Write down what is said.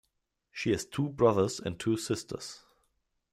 She has two brothers and two sisters.